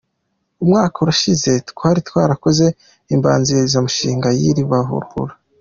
Umwaka urashize, twari twarakoze imbanzirizamushinga y’iri barura.